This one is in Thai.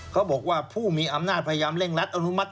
เขาบอกว่าผู้มีอำนาจพยายามเร่งรัดอนุมัติ